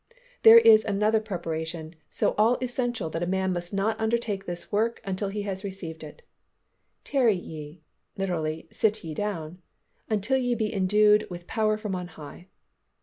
There is another preparation so all essential that a man must not undertake this work until he has received it. "Tarry ye (literally 'sit ye down') until ye be endued with power from on high."